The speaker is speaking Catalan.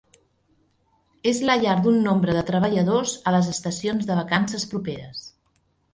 És la llar d’un nombre de treballadors a les estacions de vacances properes.